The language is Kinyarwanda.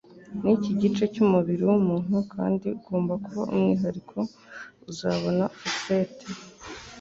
Niki gice cyumubiri wumuntu kandi ugomba kuba umwihariko Uzabona Fossette?